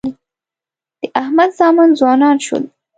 د احمد زامن ځوانان شول.